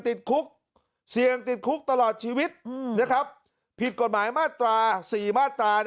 ติดคุกเสี่ยงติดคุกตลอดชีวิตผิดกฎหมายมาตรา๔มาตรา